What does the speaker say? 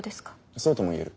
そうとも言える。